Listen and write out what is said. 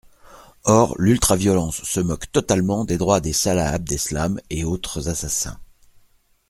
Or l’ultra-violence se moque totalement des droits des Salah Abdeslam et autres assassins.